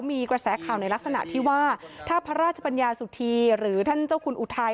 มีกระแสข่าวในลักษณะที่ว่าถ้าพระราชปัญญาสุธีหรือท่านเจ้าคุณอุทัย